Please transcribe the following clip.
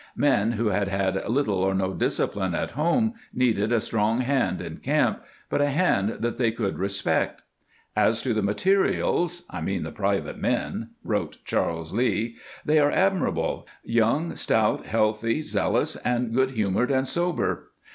^ Men who had had little or no discipline at' home needed a strong hand in camp, but a handj that they could respect. " As to the materials ■(I mean the private men)," wrote Charles Lee, " they are admirable ^young, stout, healthy, zeal ous, and good humor'd and sober.